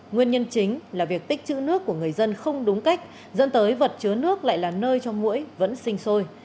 nguyên nhân chính là việc tích chữ nước của người dân không đúng cách dẫn tới vật chứa nước lại là nơi cho mũi vẫn sinh sôi